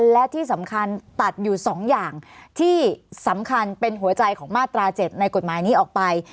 และที่สำคัญตัดอยู่๒อย่างที่สำคัญเป็นหัวใจของมาตรา๗ในกฎหมายนี้ออกไป